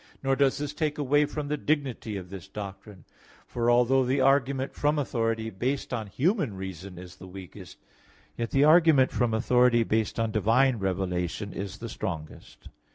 Nor does this take away from the dignity of this doctrine, for although the argument from authority based on human reason is the weakest, yet the argument from authority based on divine revelation is the strongest.